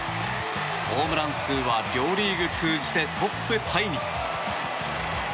ホームラン数は両リーグ通じてトップタイに。